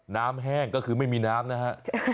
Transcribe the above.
แห้งก็คือไม่มีน้ำนะฮะ